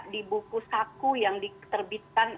di buku saku yang diterbitkan